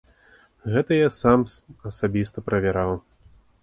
Гэта я сам асабіста правяраў.